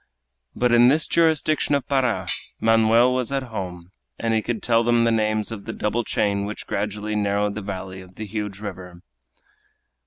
But in this jurisdiction of Para, Manoel was at home, and he could tell them the names of the double chain which gradually narrowed the valley of the huge river.